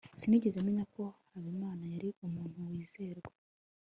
sinigeze menya ko habimana yari umuntu wizerwa